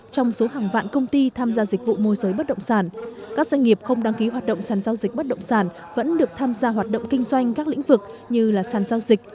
trong số hàng vạn công ty tham gia dịch vụ môi giới bất động sản các doanh nghiệp không đăng ký hoạt động sản giao dịch bất động sản vẫn được tham gia hoạt động kinh doanh các lĩnh vực như là sàn giao dịch